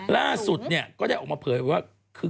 ล่าสุดเนี่ยก็ได้ออกมาเผยว่าคือ